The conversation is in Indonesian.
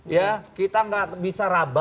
ya kita nggak bisa rabak bau bau